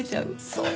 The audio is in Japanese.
そう。